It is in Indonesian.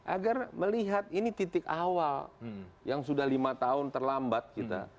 agar melihat ini titik awal yang sudah lima tahun terlambat kita